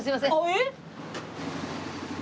えっ！？